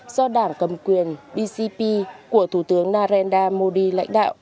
do đảng cầm quyền bcp của thủ tướng narendra modi lãnh đạo